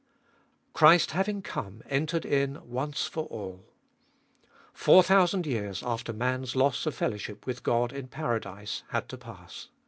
Christ having come, entered in once for all. Four thousand years after man's loss of fellowship with God in paradise had to pass.